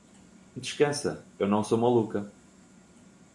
Descansa; eu não sou maluca.